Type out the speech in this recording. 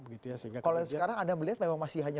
kalau sekarang anda melihat memang masih hanya